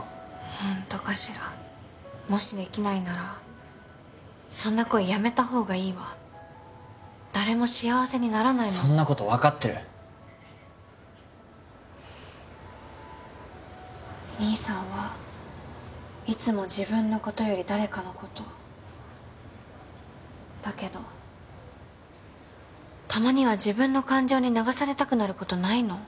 ホントかしらもしできないならそんな恋やめた方がいいわ誰も幸せにならないものそんなこと分かってる兄さんはいつも自分のことより誰かのことだけどたまには自分の感情に流されたくなることないの？